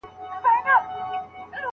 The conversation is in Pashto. خاوند او ميرمني ته ښايي چي خوشحاله واوسي.